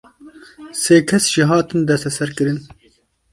Sê kes jî hatin desteserkirin.